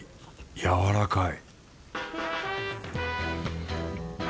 やわらかい